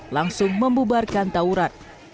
langsung membubarkan tauran